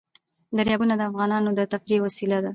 دریابونه د افغانانو د تفریح یوه وسیله ده.